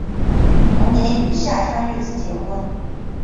同年与下川玉子结婚。